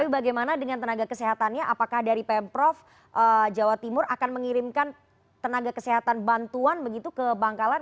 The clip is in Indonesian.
bagaimana dengan tenaga kesehatan bantuan begitu ke bangkalan